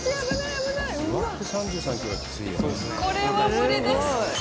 これは無理です。